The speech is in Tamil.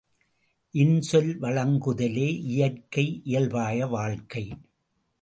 இன்சொல் வழங்குதலே இயற்கை இயல்பாய வாழ்க்கை.